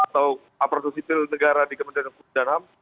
dan para kapal sipil negara di kementerian keputusan ham